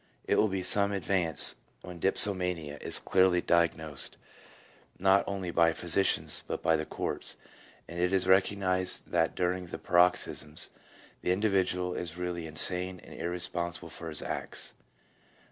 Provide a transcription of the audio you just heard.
It will be some advance when dip somania is clearly diagnosed, not only by physicians but by the courts, and it is recognized that during the paroxysms the individual is really insane and irresponsible for his acts.